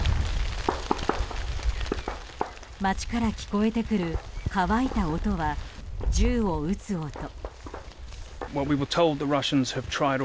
街から聞こえてくる乾いた音は銃を撃つ音。